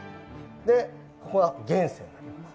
でここは現世になります。